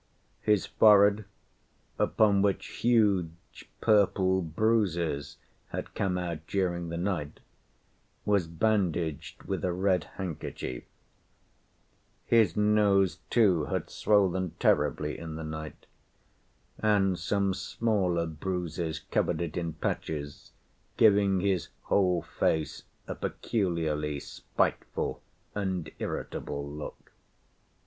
His forehead, upon which huge purple bruises had come out during the night, was bandaged with a red handkerchief; his nose too had swollen terribly in the night, and some smaller bruises covered it in patches, giving his whole face a peculiarly spiteful and irritable look.